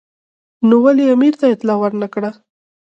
نو ولې یې امیر ته اطلاع ور نه کړه.